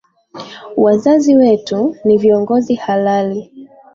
Wazazi wetu ni viongozi halali